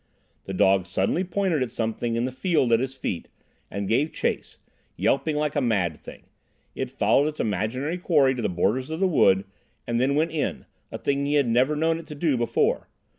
The dog suddenly pointed at something in the field at his feet, and then gave chase, yelping like a mad thing. It followed its imaginary quarry to the borders of the wood, and then went in—a thing he had never known it to do before.